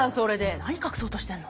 何隠そうとしてんの？